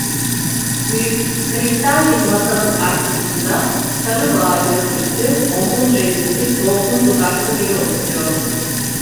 Büyük, kristal bir masanın arkasında, sarı bağa gözlüklü, tombulca yüzlü, dolgun dudaklı biri oturuyordu.